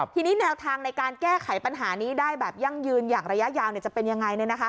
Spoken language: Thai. ทีนี้แนวทางในการแก้ไขปัญหานี้ได้แบบยั่งยืนอย่างระยะยาวจะเป็นยังไง